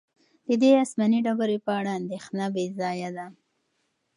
د دې آسماني ډبرې په اړه اندېښنه بې ځایه ده.